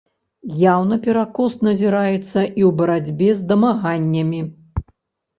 Яўны перакос назіраецца і ў барацьбе з дамаганнямі.